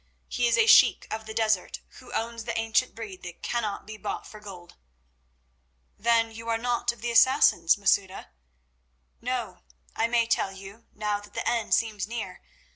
"He is a sheik of the desert, who owns the ancient breed that cannot be bought for gold." "Then you are not of the Assassins, Masouda?" "No; I may tell you, now that the end seems near.